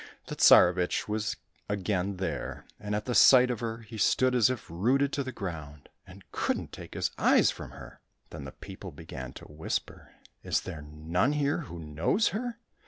The Tsarevich was again there, and at the sight of her he stood as if rooted to the ground, and couldn't take his eyes from her. Then the people began to whisper, " Is there none here who knows her